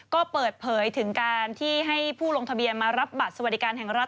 ก็เปิดเผยถึงการที่ให้ผู้ลงทะเบียนมารับบัตรสวัสดิการแห่งรัฐ